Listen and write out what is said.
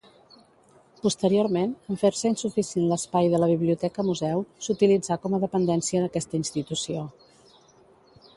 Posteriorment, en fer-se insuficient l'espai de la Biblioteca-Museu, s'utilitzà com a dependència d'aquesta institució.